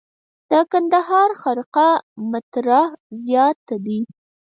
د کندهار خرقه مطهره زیارت دی